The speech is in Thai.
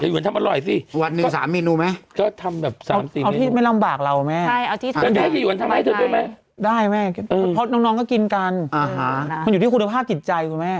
ยิ้วหยุ่นทำอร่อยสิวันหนึ่งสามเมนูไหมเอาที่ไม่ลำบากเราแม่พอดน้องก็กินกันมันอยู่ที่คุณภาพกิจใจคุณแม่